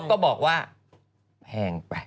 ก็บอกว่า